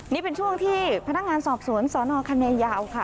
นี่เป็นช่วงที่พนักงานสอบสวนสนคณะยาวค่ะ